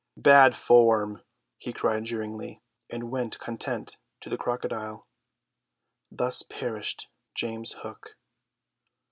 "Bad form," he cried jeeringly, and went content to the crocodile. Thus perished James Hook.